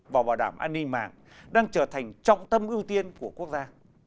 và bảo đảm an ninh mạng đang trở thành trọng tâm ưu tiên của quốc gia